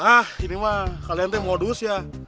ah ini mah kalian tuh modus ya